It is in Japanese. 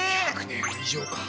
１００年以上か。